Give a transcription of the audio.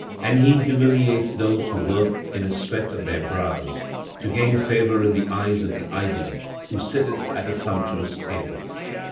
"And he humiliates those who work in the sweat of their brows, to gain favor in the eyes of the idler who sitteth at a sumptuous table.